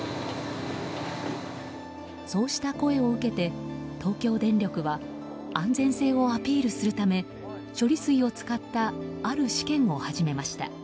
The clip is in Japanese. そうした声を受けて、東京電力は安全性をアピールするため処理水を使ったある試験を始めました。